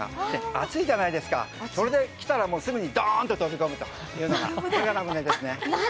暑いじゃないですか、それで来たら、すぐにドーンと飛び込むというのがラムネですね。